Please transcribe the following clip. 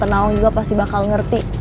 tante nawang juga pasti bakal ngerti